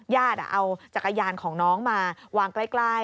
ญาติเอาจักรยานของน้องมาวางใกล้